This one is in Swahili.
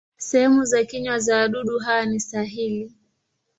Sehemu za kinywa za wadudu hawa ni sahili.